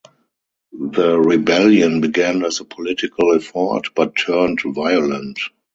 The rebellion began as a political effort but turned violent.